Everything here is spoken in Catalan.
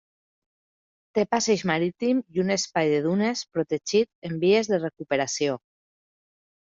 Té passeig marítim i un espai de dunes protegit en vies de recuperació.